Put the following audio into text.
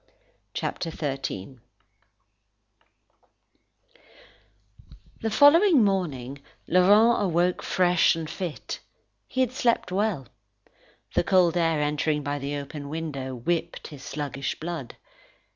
CHAPTER XIII The following morning, Laurent awoke fresh and fit. He had slept well. The cold air entering by the open window, whipped his sluggish blood.